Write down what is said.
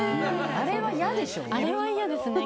あれは嫌でしょ。